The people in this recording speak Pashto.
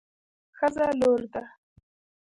ښځه لور ده